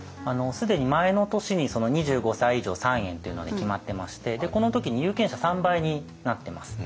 既に前の年に２５歳以上３円っていうので決まってましてこの時に有権者３倍になってます。